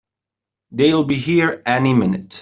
They'll be here any minute!